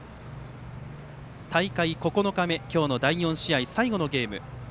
大会９日目、今日の第４試合最後のゲーム。